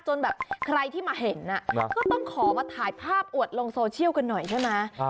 จนแบบใครที่มาเห็นก็ต้องขอมาถ่ายภาพอวดลงโซเชียลกันหน่อยใช่ไหม